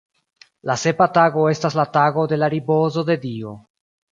La sepa tago estas la tago de la ripozo de Dio.